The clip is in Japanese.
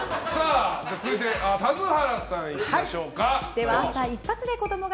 続いて、田津原さんいきましょう。